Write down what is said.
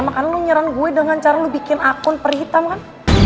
makanya lo nyerang gue dengan cara lo bikin akun perihitam kan